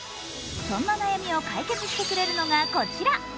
そんな悩みを解決してくれるのがこちら。